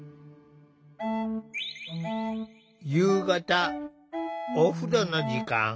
夕方お風呂の時間。